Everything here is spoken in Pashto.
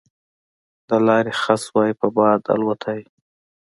د لارې خس وای په باد الوتای